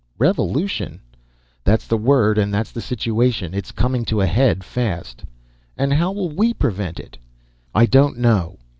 "Revolution?" "That's the word. And that's the situation. It's coming to a head, fast." "And how will we prevent it?" "I don't know."